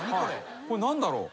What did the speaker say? これ何だろう？